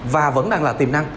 và vẫn đang là tiềm năng